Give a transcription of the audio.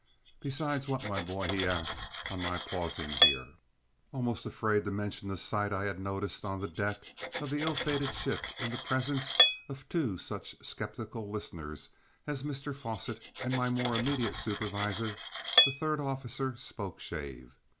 "Besides what, my boy?" he asked, on my pausing here, almost afraid to mention the sight I had noticed on the deck of the ill fated ship in the presence of two such sceptical listeners as Mr Fosset and my more immediate superior, the third officer, Spokeshave.